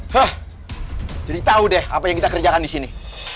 hah jadi tau deh apa yang kita kerjakan disini